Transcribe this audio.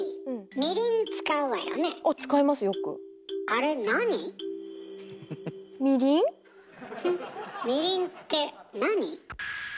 みりんってなに？